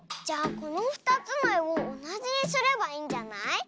じゃあこのふたつのえをおなじにすればいいんじゃない？